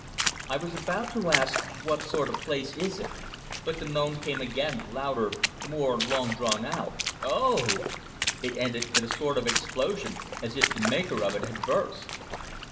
I was about to ask, "What sort of place is it?" But the moan came again, louder, more long drawn out: "O o o o o o o o oh!" It ended in a sort of explosion, as if the maker of it had burst.